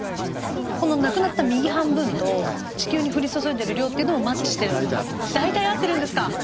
このなくなった右半分と地球に降り注いでる量っていうのもマッチしてるんですか？